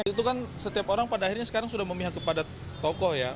itu kan setiap orang pada akhirnya sekarang sudah memihak kepada tokoh ya